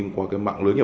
của mẹ khác cha